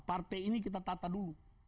partai ini kita tata dulu